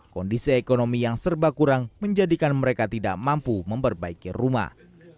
kondisi ekonomi yang serba kurang menjadikan mereka tidak mampu memperbaiki rumah